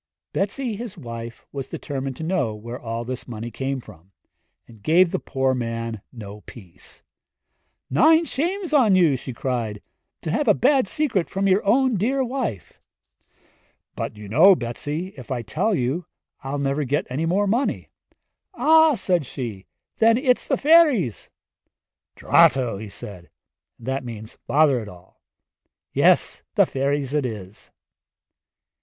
Betsi his wife was determined to know where all this money came from, and gave the poor man no peace. 'Wel, naw wfft!' she cried which means in English, 'Nine shames on you' 'to have a bad secret from your own dear wife!' 'But you know, Betsi, if I tell you I'll never get any more money.' 'Ah,' said she, 'then it's the fairies!' 'Drato!' said he and that means 'Bother it all' 'yes the fairies it is.'